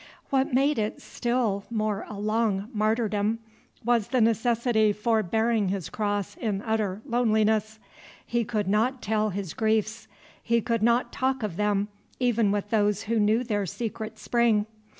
What made it still more a long martyrdom was the necessity for bearing his cross in utter loneliness. He could not tell his griefs. He could not talk of them even with those who knew their secret spring.